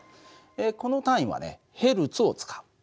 この単位はねＨｚを使う。